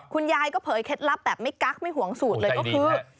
คุณยายก็เผยเคล็ดลับแบบไม่กักไม่ห่วงสูตรเลยก็คือ